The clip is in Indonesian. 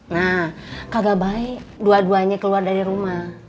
nah kagak baik dua duanya keluar dari rumah